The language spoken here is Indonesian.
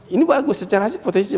ini bagus secara potensi